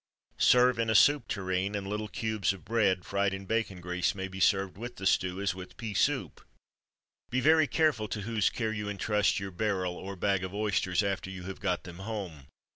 Serve in a soup tureen, and little cubes of bread fried in bacon grease may be served with the stew, as with pea soup. Be very careful to whose care you entrust your barrel, or bag, of oysters, after you have got them home.